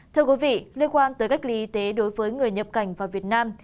thưa quý vị liên quan tới cách ly y tế đối với người nhập cảnh vào việt nam